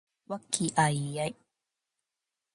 和気藹々